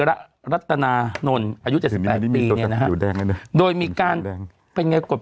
ระรัตนานนท์อายุเจ็ดสิบแปดปีเนี่ยนะฮะโดยมีการเป็นไงกฎ